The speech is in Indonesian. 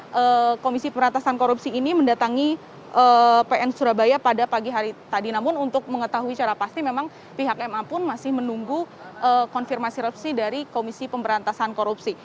kemudian komisi pemberantasan korupsi ini mendatangi pn surabaya pada pagi hari tadi namun untuk mengetahui secara pasti memang pihak ma pun masih menunggu konfirmasi revisi dari komisi pemberantasan korupsi